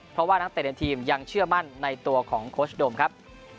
เพราะว่านักเตะในทีมยังเชื่อมั่นในตัวของโค้ชโดมครับ